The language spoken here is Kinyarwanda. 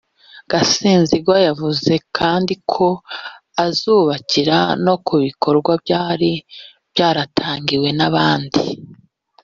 Gasinzigwa yavuze kandi ko azubakira no ku bikorwa byari byaratangiwe n’abandi